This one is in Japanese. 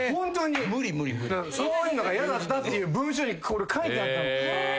そういうのが嫌だったって文集に書いてあったの。